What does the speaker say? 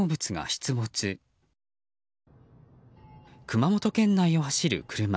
熊本県内を走る車。